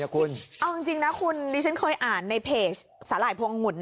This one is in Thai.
เอาจริงนะคุณดิฉันเคยอ่านในเพจสาหร่ายพวงองหุ่น